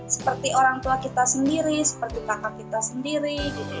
seperti orang tua kita sendiri seperti kakak kita sendiri